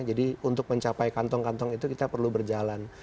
jadi untuk mencapai kantong kantong itu kita perlu berjalan